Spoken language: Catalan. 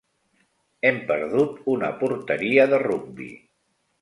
Hem perdut una porteria de rugbi.